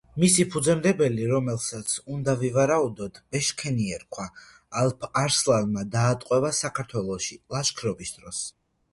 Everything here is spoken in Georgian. მისი ფუძემდებელი, რომელსაც, უნდა ვივარაუდოთ, ბეშქენი ერქვა, ალფ-არსლანმა დაატყვევა საქართველოში ლაშქრობის დროს.